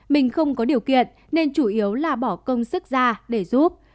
mình không có điều kiện nên chủ yếu là bỏ công sức ra để giúp